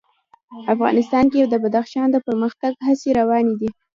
افغانستان کې د بدخشان د پرمختګ هڅې روانې دي.